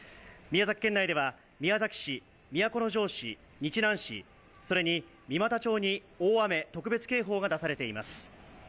宮崎県内では宮崎市、都城市、日南市、それに三股町に大雨特別警報が出されています。